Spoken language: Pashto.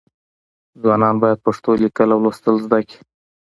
ځوانان باید پښتو لیکل او لوستل زده کړي.